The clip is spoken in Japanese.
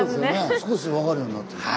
少し分かるようになってきました。